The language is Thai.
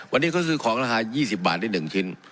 วันนี้เขาซื้อของราคา๒๐บาทได้๑ชิ้น